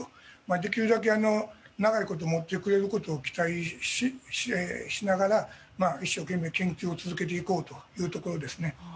できるだけ長いこと持ってくれることを期待しながら、一生懸命研究を続けていこうというところですね。